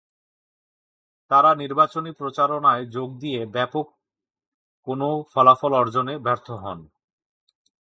তারা নির্বাচনী প্রচারণায় যোগ দিয়ে ব্যাপক কোনো ফলাফল অর্জনে ব্যর্থ হন।